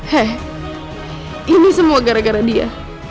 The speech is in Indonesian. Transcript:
hei ini semua gara gara dia